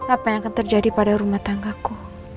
apa yang akan terjadi pada rumah tangga ku